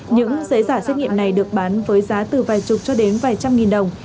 những giấy giả xét nghiệm này được bán với giá từ vài chục cho đến vài trăm nghìn đồng